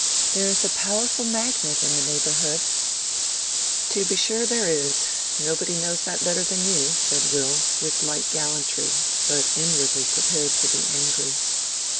"There is a powerful magnet in this neighborhood." "To be sure there is. Nobody knows that better than you," said Will, with light gallantry, but inwardly prepared to be angry.